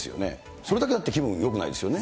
それだけだって気分よくないですよね。